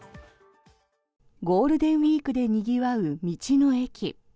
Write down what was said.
ゴールデンウィークでにぎわう道の駅。